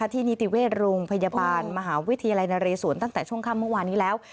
นิติเวชโรงพยาบาลมหาวิทยาลัยนเรศวรตั้งแต่ช่วงค่ำเมื่อวานนี้แล้ว